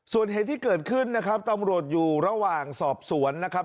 ส่วนเหตุที่เกิดขึ้นนะครับตำรวจอยู่ระหว่างสอบสวนนะครับ